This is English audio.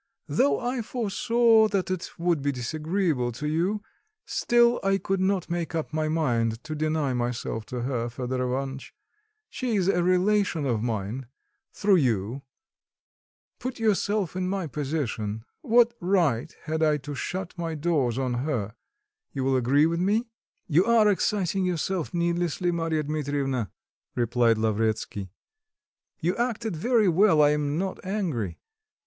Though I foresaw that it would be disagreeable to you, still I could not make up my mind to deny myself to her, Fedor Ivanitch; she is a relation of mine through you; put yourself in my position, what right had I to shut my doors on her you will agree with me?" "You are exciting yourself needlessly, Mary Dmitrievna," replied Lavretsky; "you acted very well, I am not angry.